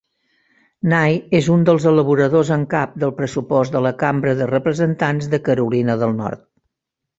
Nye és un dels elaboradors en cap del pressupost de la Cambra de Representants de Carolina del Nord.